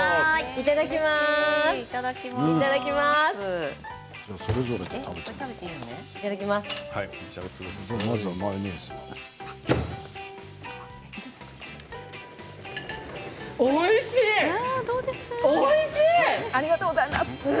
いただきます。